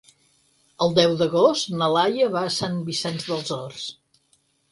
El deu d'agost na Laia va a Sant Vicenç dels Horts.